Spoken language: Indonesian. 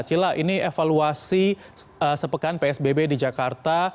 cila ini evaluasi sepekan psbb di jakarta